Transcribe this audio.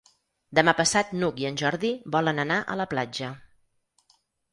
Demà passat n'Hug i en Jordi volen anar a la platja.